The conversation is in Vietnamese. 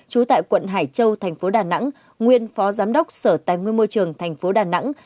trú tại quận hải châu thành phố đà nẵng nguyên phó giám đốc sở tài nguyên môi trường tp đà nẵng